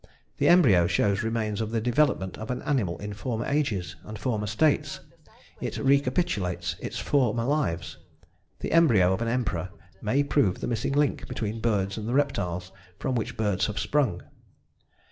The embryo shows remains of the development of an animal in former ages and former states; it recapitulates its former lives. The embryo of an Emperor may prove the missing link between birds and the reptiles from which birds have sprung.